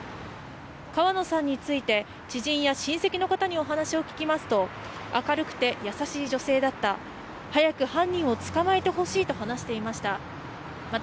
川野さんについて、知人や親戚の方にお話を聞きますと明るくて優しい女性だった、早く犯人を捕まえてほしいと話していました。